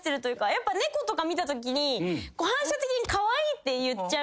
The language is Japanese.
やっぱ猫とか見たときに反射的にカワイイって言っちゃいませんか？